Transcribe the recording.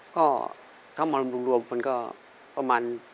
ก็ถ้ามารวมมันก็ประมาณ